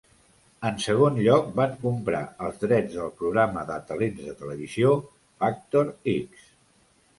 En segon lloc, van comprar els drets del programa de talents de televisió Factor X.